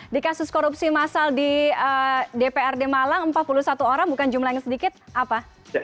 di kasus korupsi massal di dprd malang empat puluh satu orang bukan jumlah yang sedikit apa